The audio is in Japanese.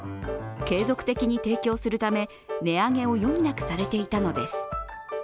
継続的に提供するため値上げを余儀なくされていたのです。